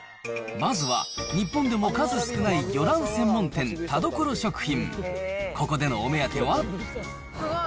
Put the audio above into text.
まずは、日本でも数少ない魚卵専門店、田所食品。